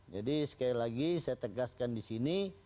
jadi sekali lagi saya tegaskan di sini